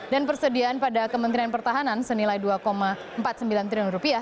dan persediaan pada kementerian pertahanan senilai rp dua empat puluh sembilan triliun